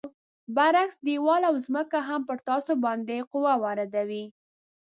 برعکس دیوال او ځمکه هم پر تاسو باندې قوه واردوي.